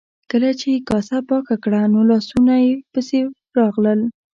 کله چې یې کاسه پاکه کړه نو لاسونو پسې راغلل.